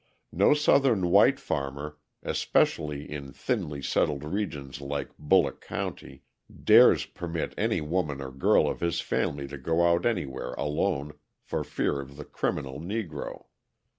No Southern white farmer, especially in thinly settled regions like Bulloch County, dares permit any woman or girl of his family to go out anywhere alone, for fear of the criminal Negro.